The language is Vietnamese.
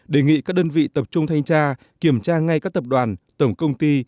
đề nghị các đơn vị tập trung thanh tra kiểm tra ngay các tập đoàn tổng công ty